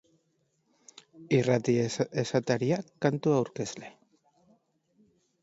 Irrati esataria kantu aurkezle.